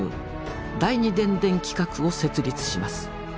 第二電電企画を設立します。